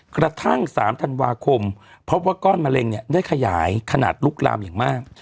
กระทั่ง๓ธาษิวาคมเพราะว่าก้อนมะเร็งได้ขยายขนาดลูกลามอย่างมาก